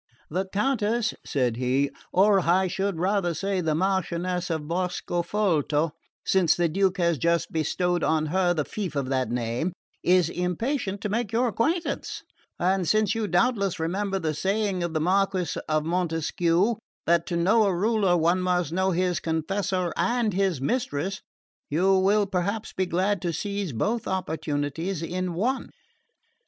"The Countess," said he, "or I should rather say the Marchioness of Boscofolto, since the Duke has just bestowed on her the fief of that name, is impatient to make your acquaintance; and since you doubtless remember the saying of the Marquis de Montesquieu, that to know a ruler one must know his confessor and his mistress, you will perhaps be glad to seize both opportunities in one."